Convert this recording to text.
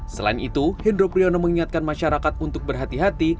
selain itu hendro priyono mengingatkan masyarakat untuk berhati hati